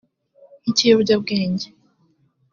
nk’ikiyobyabwenge